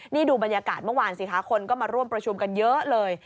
นี่ดูบรรยากาศเมื่อวานสิคะคนก็มาร่วมประชุมกันเยอะเลย